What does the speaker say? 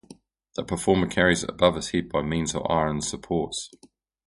The performer carries it above his head by means of iron supports.